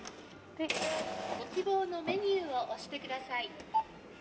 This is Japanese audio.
「ご希望のメニューを押してください」